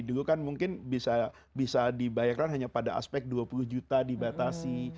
dulu kan mungkin bisa dibayarkan hanya pada aspek dua puluh juta dibatasi